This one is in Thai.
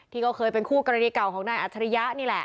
ก็เคยเป็นคู่กรณีเก่าของนายอัจฉริยะนี่แหละ